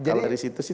kalau dari situ sih